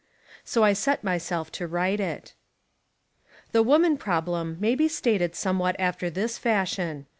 So I set myself to write it. The woman problem may be stated some what after this fashion.